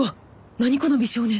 なにこの美少年。